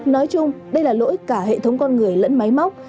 nói chung đây là lỗi cả hệ thống con người lẫn máy móc